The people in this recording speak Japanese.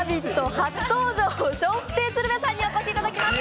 初登場、笑福亭鶴瓶さんにお越しいただきました。